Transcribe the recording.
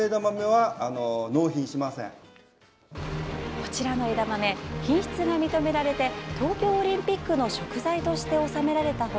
こちらの枝豆品質が認められて東京オリンピックの食材として納められた他